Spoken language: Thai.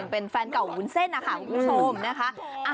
เป็นแฟนเก่าวุ้นเส้นนะคะคุณผู้ชมนะคะ